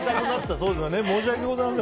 申し訳ございません